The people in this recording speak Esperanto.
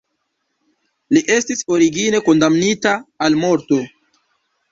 Li estis origine kondamnita al morto.